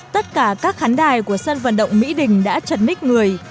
tất cả các khán đài của sân vận động mỹ đình đã chật mít người